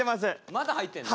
まだ入ってんの？